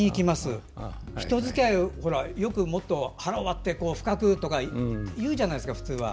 人づきあいをよく、腹を割って深くとか言うじゃないですか普通は。